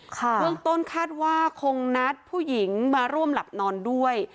เบื้องต้นคาดว่าคงนัดผู้หญิงมาร่วมหลับนอนด้วย